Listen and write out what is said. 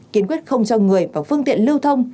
kiến quyết không cho người vào phương tiện lưu thông